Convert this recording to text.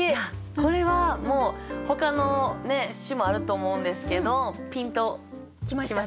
これはもうほかの首もあると思うんですけどピンと来ました。